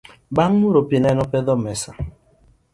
Bang muro pii nene opedho mesa